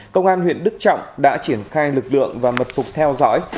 công an huyện đức trọng đã triển khai lực lượng và mật phục theo dõi